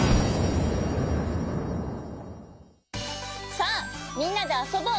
さあみんなであそぼう！